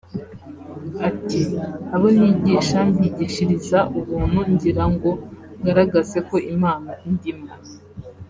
Ati “ Abo nigisha mbigishiriza ubuntu ngira ngo ngaragaze ko impano indimo